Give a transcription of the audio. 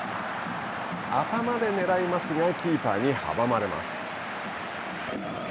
頭でねらいますがキーパーに阻まれます。